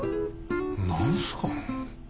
何すか。